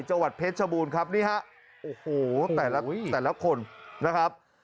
จังหวัดเพชรชบูรณ์ครับนี่ฮะโอ้โหแต่ละแต่ละคนนะครับ